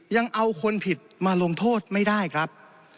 ยังเอาคนผิดมาลงโทษไม่ได้ครับ